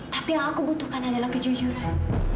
tapi yang aku butuhkan adalah kejujuran